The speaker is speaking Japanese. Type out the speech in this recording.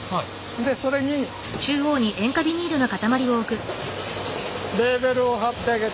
でそれにレーベルを貼ってあげて。